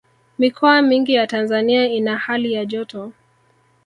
mikoa mingi ya tanzania ina hali ya joto